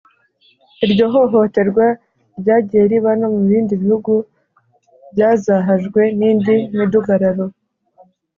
iryo hohoterwa ryagiye riba no mu bindi bihugu byazahajwe n’indi midugararo